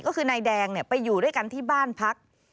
ก็คือนายแดงไปอยู่ด้วยกันที่บ้านพัก